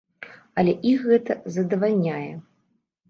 Але іх гэта задавальняе.